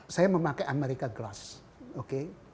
saya memakai american glass